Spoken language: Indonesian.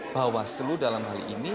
bawaslu dalam hal ini